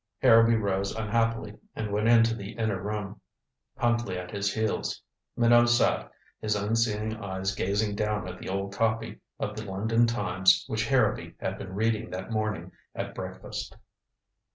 Harrowby rose unhappily and went into the inner room, Huntley at his heels. Minot sat, his unseeing eyes gazing down at the old copy of the London Times which Harrowby had been reading that morning at breakfast.